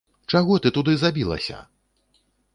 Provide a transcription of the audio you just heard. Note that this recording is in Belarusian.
Чаго ты туды забілася!